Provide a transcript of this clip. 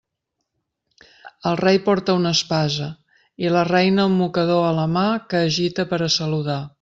El Rei porta una espasa i la Reina un mocador a la mà que agita per a saludar.